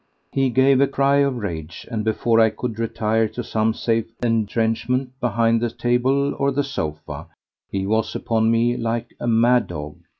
He gave a cry of rage, and before I could retire to some safe entrenchment behind the table or the sofa, he was upon me like a mad dog.